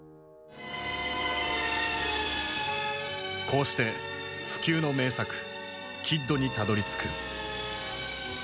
こうして不朽の名作「キッド」にたどりつく。